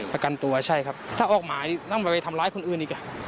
ประกันตัวใช่ครับถ้าออกหมายต้องไปทำร้ายคนอื่นอีก